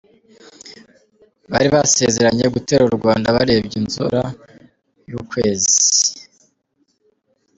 Bari basezeranye gutera u Rwanda barebye inzora y’ukwezi.